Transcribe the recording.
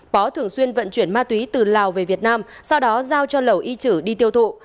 pó thường xuyên vận chuyển ma túy từ lào về việt nam sau đó giao cho lầu y trữ đi tiêu thụ